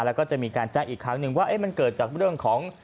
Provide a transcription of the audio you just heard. แล้วก็จะมีการแจ้งอีกครั้งหนึ่งว่ามันเกิดจากเรื่องของ